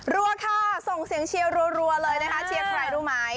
รัวค่ะส่งเสียงเชียร์รัวเลยนะคะเชียร์ใครรู้ไหม